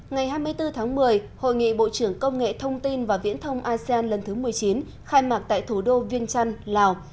ngày hai mươi bốn tháng một mươi hội nghị bộ trưởng công nghệ thông tin và viễn thông asean lần thứ một mươi chín khai mạc tại thủ đô viên trăn lào